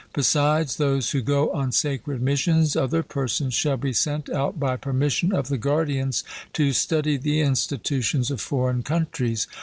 Besides those who go on sacred missions, other persons shall be sent out by permission of the guardians to study the institutions of foreign countries.